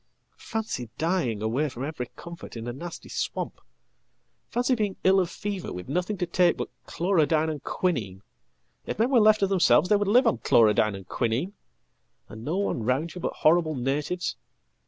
"Fancy dying away from every comfort in a nasty swamp! Fancy being ill offever with nothing to take but chlorodyne and quinine if men were left tothemselves they would live on chlorodyne and quinine and no one round youbut horrible natives!